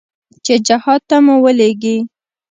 چې جهاد ته مو ولېږي.